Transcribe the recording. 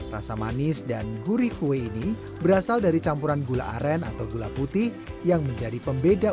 rasa manis dan gurih kue ini berasal dari campuran gula aren atau gula putih yang menjadi pembeda